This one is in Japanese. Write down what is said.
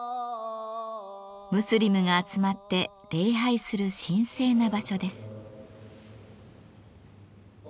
ムスリムが集まって礼拝する神聖な場所です。